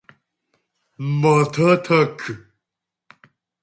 瞬く